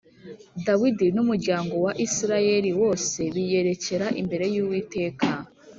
Dawidi n’umuryango wa Isirayeli wose biyerekera imbere y’Uwiteka